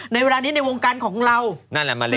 ในวันนี้ในวงการของเรา